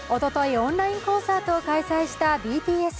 オンラインコンサートを開催したＢＴＳ。